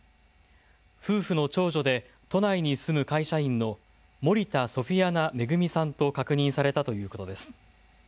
夫婦の長女で都内に住む会社員の森田ソフィアナ恵さんと確認されたということです。